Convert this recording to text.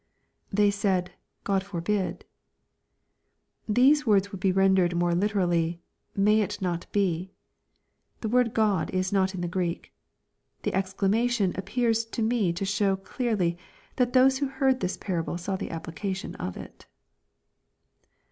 [TTiey saidy God forbid.] These words would be rendered more literally " may it not be." The word " God" is not in the Greek, The exclamation appears to me to show clearly that those who heard this parable saw the application of it.